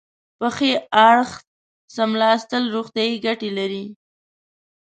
په ښي اړخ څملاستل روغتیایي ګټې لري.